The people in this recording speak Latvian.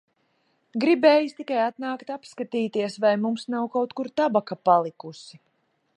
Gribējis tikai atnākt apskatīties, vai mums nav kaut kur tabaka palikusi.